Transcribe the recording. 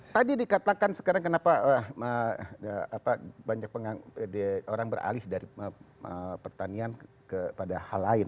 tadi dikatakan sekarang kenapa banyak orang beralih dari pertanian kepada hal lain